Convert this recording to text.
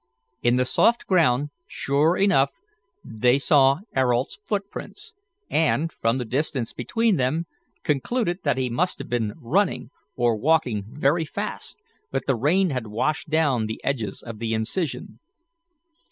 In the soft ground, sure enough, they saw Ayrault's footprints, and, from the distance between them, concluded that he must have been running or walking very fast; but the rain had washed down the edges of the incision.